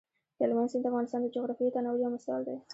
هلمند سیند د افغانستان د جغرافیوي تنوع یو مثال دی.